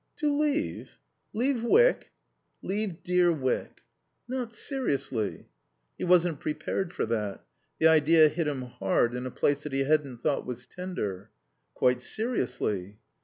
"To leave? Leave Wyck?" "Leave dear Wyck." "Not seriously?" He wasn't prepared for that. The idea hit him hard in a place that he hadn't thought was tender. "Quite seriously."